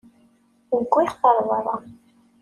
Wwiɣ-t ɣer berra.